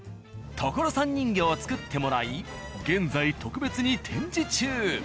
所さん人形を作ってもらい現在特別に展示中。